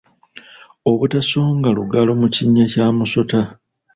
Obutasonga lugalo mu kinnya kya musota.